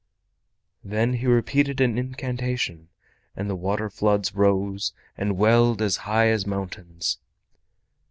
Then he repeated an incantation, and the water floods rose and welled as high as mountains.